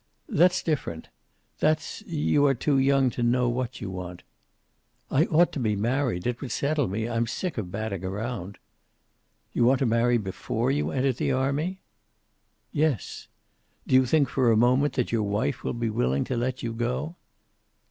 "That's different. That's you are too young to know what you want." "I ought to be married. It would settle me. I'm sick of batting round." "You want to marry before you enter the army?" "Yes." "Do you think for a moment that your wife will be willing to let you go?"